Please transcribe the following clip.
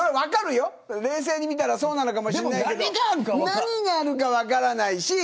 冷静に見たらそうなのかもしれないけど何があるか分からないし